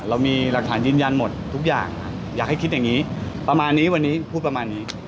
เรามีหลักฐานยืนยันหมดทุกอย่างอยากให้คิดอย่างนี้ประมาณนี้วันนี้พูดประมาณนี้